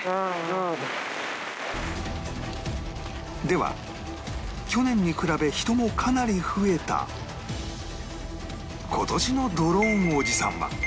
では去年に比べ人もかなり増えた今年のドローンおじさんは？